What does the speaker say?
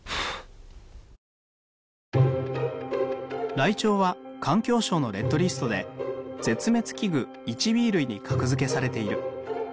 ライチョウは環境省のレッドリストで絶滅危惧ⅠＢ類に格付けされている。